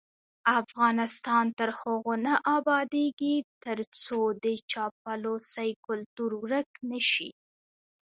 افغانستان تر هغو نه ابادیږي، ترڅو د چاپلوسۍ کلتور ورک نشي.